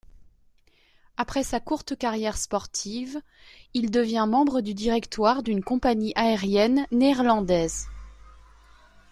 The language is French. Après sa courte carrière sportive, il devient membre du directoire d'une compagnie aérienne néerlandaise.